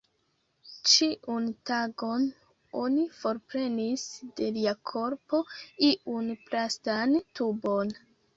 Ĉiun tagon oni forprenis de lia korpo iun plastan tubon.